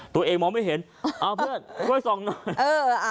ตัวเองมองไม่เห็นเอาเพื่อนช่วยส่องหน่อยเออ